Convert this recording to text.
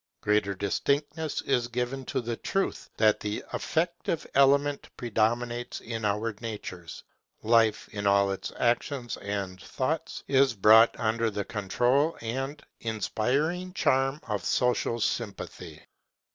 Greater distinctness is given to the truth that the affective element predominates in our nature. Life in all its actions and thoughts is brought under the control and inspiring charm of Social Sympathy.